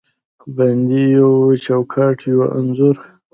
بندې یو چوکاټ، یوه انځور